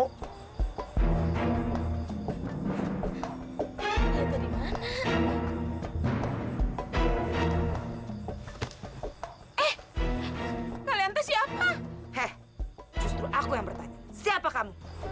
eh kalian teh siapa he he justru aku yang bertanya siapa kamu